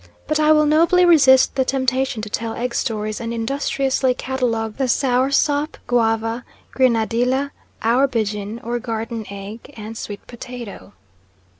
But I will nobly resist the temptation to tell egg stories and industriously catalogue the sour sop, guava, grenadilla, aubergine or garden egg, yam, and sweet potato.